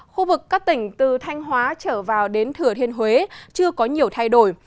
khu vực các tỉnh từ thanh hóa trở vào đến thừa thiên huế chưa có nhiều thay đổi